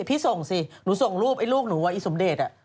พี่ส่งสิหนูส่งรูปไอ้ลูกหนูว่าอีสมเดช